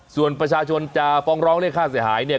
ส่วนประชาชนจะฟ้องร้องเรียกค่าเสียหายเนี่ย